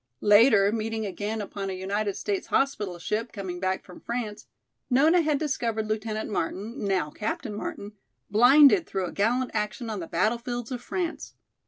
Later, meeting again upon a United States hospital ship, coming back from France, Nona had discovered Lieutenant Martin, now Captain Martin, blinded through a gallant action on the battlefields of France.